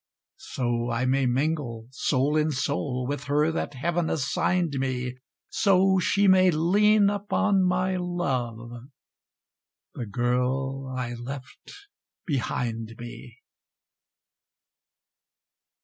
So I may mingle, soul in soul, with her that Heaven assigned me; So she may lean upon my love, the Girl I left behind me.